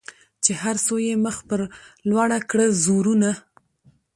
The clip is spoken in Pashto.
چي هر څو یې مخ پر لوړه کړه زورونه